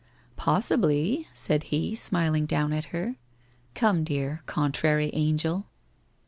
' Possibly/ said he smiling down at her. ' Come, dear contrary angel